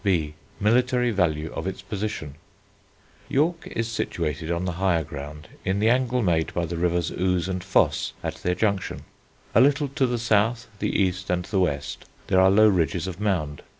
B. MILITARY VALUE OF ITS POSITION York is situated on the higher ground, in the angle made by the rivers Ouse and Foss at their junction; a little to the south, the east and the west there are low ridges of mound.